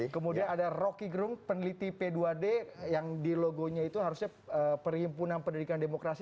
kemudian ada rocky gerung peneliti p dua d yang di logonya itu harusnya perhimpunan pendidikan demokrasi